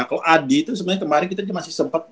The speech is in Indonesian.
kalau adi itu sebenarnya kemarin kita masih sempat